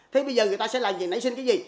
thế bây giờ người ta sẽ làm gì nảy sinh cái gì